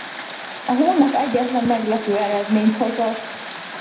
A hónap egyetlen meglepő eredményt hozott.